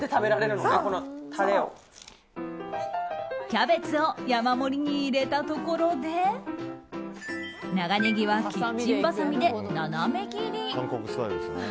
キャベツを山盛りに入れたところで長ネギはキッチンばさみで斜め切り。